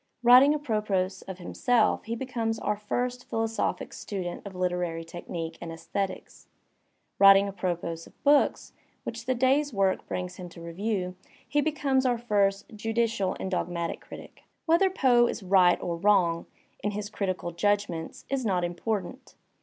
Writing apropos of himself he becomes our first philosophic student of hterary technique and aesthetics. Writing apropos of books which the day's work brings him to review, he becomes oiu* first judicial and dogmatic critic. Whether Poe is "right" or "wrong" in his critical judg ments is not important.